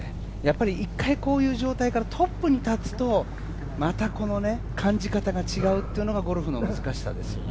一回こういう状態からトップに立つと、また感じ方が違うというのがゴルフの難しさですよね。